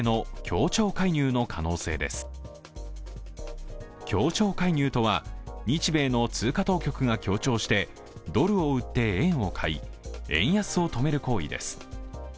協調介入とは、日米の通貨当局が協調してドルを売って円を買い、円安を止める行為です。